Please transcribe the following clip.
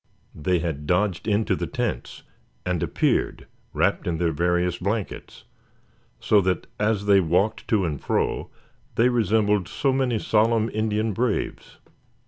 They had dodged into the tents, and appeared wrapped in their various blankets; so that as they walked to and fro they resembled so many solemn Indian braves.